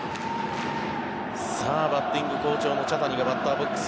バッティング好調の茶谷がバッターボックス。